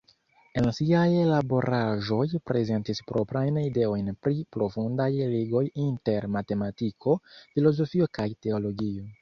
En siaj laboraĵoj prezentis proprajn ideojn pri profundaj ligoj inter matematiko, filozofio kaj teologio.